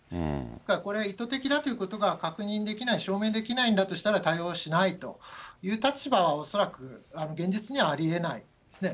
ですからこれ、意図的だということが確認できない、証明できないんだとしたら、対応はしないという立場は恐らく現実にはあり得ないですね。